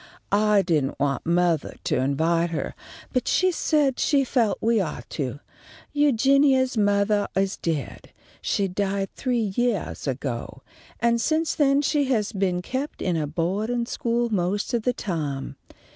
I didn't want mothah to invite her, but she said she felt that we ought to. Eugenia's mothah is dead. She died three yeahs ago, and since then she's been kept in a boa'din' school most of the time.